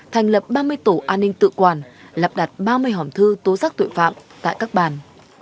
thành lập ba mươi tổ an ninh tự quản lập đặt ba mươi hòm thư tố giác tội phạm tại các bàn